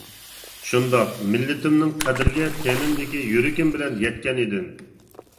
شۇنداق مىللىتىمنىڭ قەدىرگە تېنىمدىكى يۈرىكىم بىلەن يەتكەن ئىدىم.